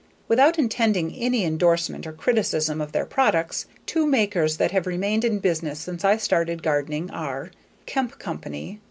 Without intending any endorsement or criticism of their products, two makers that have remained in business since I started gardening are: Kemp Company.